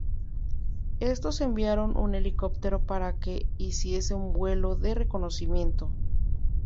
Estos enviaron un helicóptero para que hiciese un vuelo de reconocimiento.